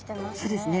そうですね。